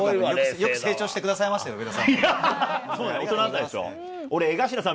よく成長してくださいましたよ、上田さん。